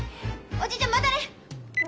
おじいちゃんまたね！